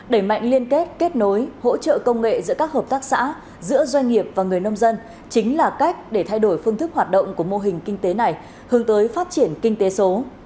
đẩy mạnh liên kết kết nối hỗ trợ công nghệ giữa các hợp tác xã giữa doanh nghiệp và người nông dân chính là cách để thay đổi phương thức hoạt động của mô hình kinh tế này hướng tới phát triển kinh tế số